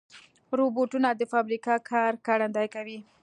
روبوټونه د فابریکې کار ګړندي کوي.